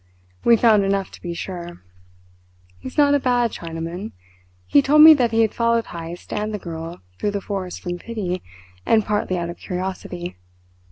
We found enough to be sure. He's not a bad Chinaman. He told me that he had followed Heyst and the girl through the forest from pity, and partly out of curiosity.